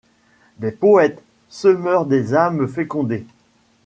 Des poètes, semeurs des âmes fécondées !